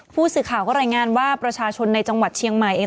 ผู้สื่อข่าวก็รายงานว่าประชาชนในจังหวัดเชียงใหม่เอง